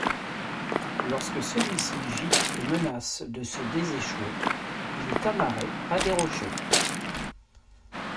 Lorsque celui-ci gîte et menace de se déséchouer, il est amarré à des rochers.